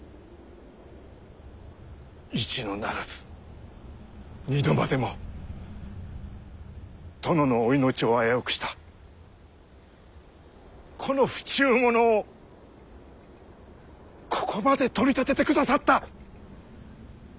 一度ならず二度までも殿のお命を危うくしたこの不忠者をここまで取り立ててくださった！